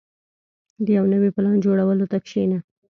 • د یو نوي پلان جوړولو ته کښېنه.